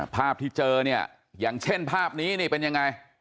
ภาพที่เจออย่างเช่นภาพนี้เป็นอย่างไร